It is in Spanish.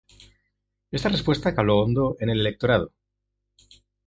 Esta respuesta caló hondo en el electorado.